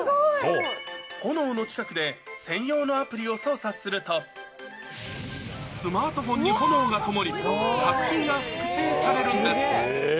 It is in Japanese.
炎の近くで専用のアプリを操作すると、スマートフォンに炎がともり、作品が複製されるんです。